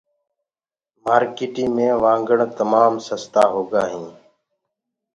مآرڪيٚٽي مي وآگڻ تمآم سستآ هوندآ هينٚ